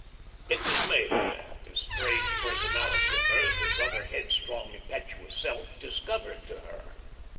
It dismayed her to have this strange personality of hers, this other headstrong, impetuous self, discovered to her.